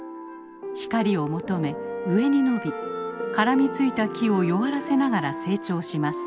光を求め上に伸び絡みついた木を弱らせながら成長します。